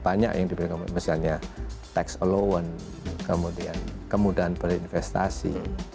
banyak yang diberikan misalnya tax allowance kemudian kemudahan berinvestasi